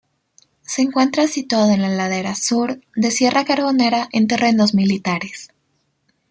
Se encuentra situado en la ladera sur de Sierra Carbonera en terrenos militares.